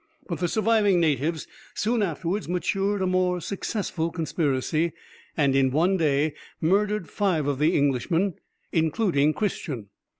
But the surviving natives soon afterwards matured a more successful conspiracy, and in one day murdered five of the Englishmen, including Christian.